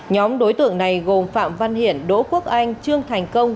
nhóm đối tượng này gồm phạm văn hiển đỗ quốc anh trương thành công